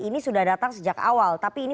ini sudah datang sejak awal tapi ini